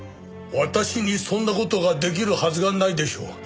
私にそんな事が出来るはずがないでしょう。